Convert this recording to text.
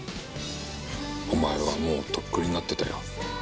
お前はもうとっくになってたよ。